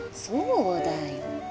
そうだよ。